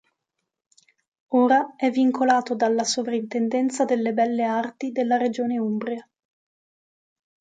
Ora è vincolato dalla Sovrintendenza delle Belle Arti della Regione Umbria.